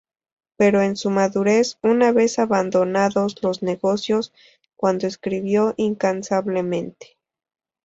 Pero es en su madurez, una vez abandonados los negocios, cuando escribió incansablemente.